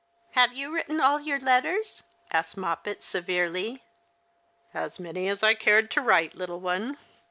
" Have you written all your letters ?" asked jMoppet, severely. " x\.s many as I cared to write, little one.